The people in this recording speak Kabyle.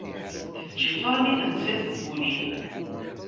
Teǧǧiḍ-tt armi temsa deg ul-iw.